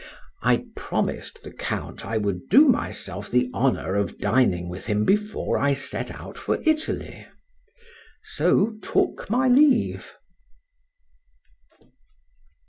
—I promised the Count I would do myself the honour of dining with him before I set out for Italy;—so took my leave.